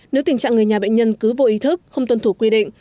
nếu tình trạng người nhà bệnh nhân cứ vô ý thức không tuân thủ quy định